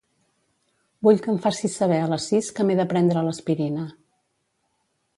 Vull que em facis saber a les sis que m'he de prendre l'aspirina.